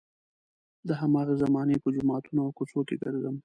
د هماغې زمانې په جوماتونو او کوڅو کې ګرځم.